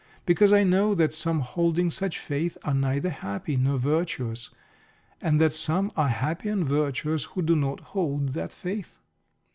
Because I know that some holding such faith are neither happy nor virtuous, and that some are happy and virtuous who do not hold that faith.